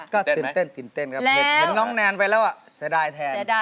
ก็ตื่นเต้นครับเห็นน้องแนนไปแล้วอะแสดงแทน